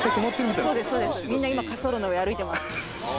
みんな今滑走路の上歩いてます。